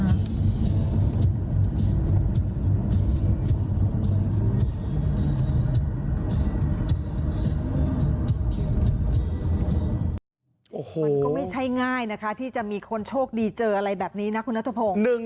มันก็ไม่ใช่ง่ายนะคะที่จะมีคนโชคดีเจออะไรแบบนี้นะคุณนัทพงศ์